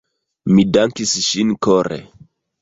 Mi dankis ŝin kore.